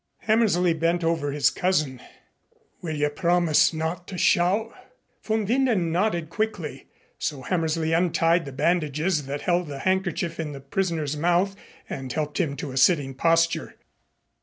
Hammersley bent over his cousin. "Will you promise not to shout?" Von Winden nodded quickly. So Hammersley untied the bandages that held the handkerchief in the prisoner's mouth and helped him to a sitting posture.